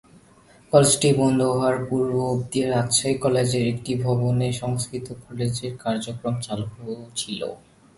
কলেজটি বন্ধ হওয়ার পূর্ব অবধি রাজশাহী কলেজের একটি ভবনে সংস্কৃত কলেজের কার্যক্রম চালু ছিল।